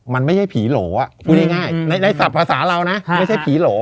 มันไม่ใช่ผีโหลพูดง่ายในศัพท์ภาษาเรานะไม่ใช่ผีโหล